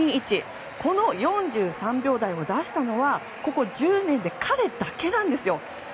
この４３秒台を出したのはここ１０年で彼だけなんですよ。